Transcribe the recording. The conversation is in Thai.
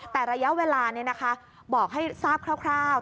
แต่ระยะเวลานี้นะคะบอกให้ทราบคร่าว